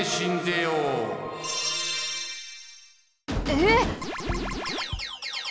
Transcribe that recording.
えっ！？